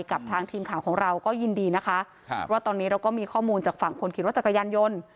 กับทางทีมข่าวของเราก็ยินดีนะคะครับว่าตอนนี้เราก็มีข้อมูลจากฝั่งคนขี่รถจักรยานยนต์